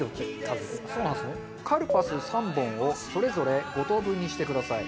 カルパス３本をそれぞれ５等分にしてください。